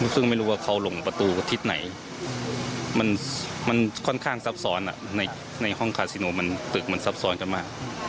ซึ่งไม่รู้ว่าเขาลงประตูทิศไหนมันค่อนข้างซับซ้อนในห้องคาซิโนมันตึกมันซับซ้อนกันมาก